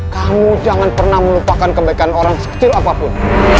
kamu jangan pernah melupakan kebaikan orang sekecil apapun